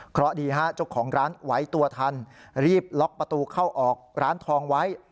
เพราะดีฮะเจ้าของร้านไหวตัวทันรีบล็อกประตูเข้าออกร้านทองไว้